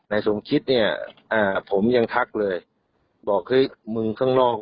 สมคิดเนี่ยอ่าผมยังทักเลยบอกเฮ้ยมึงข้างนอก